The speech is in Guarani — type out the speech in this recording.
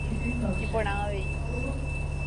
Iporã avei.